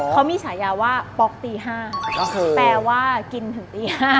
เขามีฉายาว่าป๊อกตี๕แปลว่ากินถึงตี๕